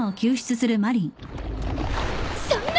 そんな。